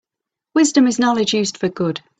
Wisdom is knowledge used for good.